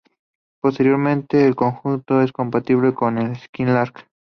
Posteriormente el conjunto es compatible con el "Skylark".